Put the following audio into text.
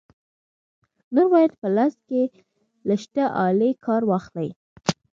نور باید په لاس کې له شته آلې کار واخلې.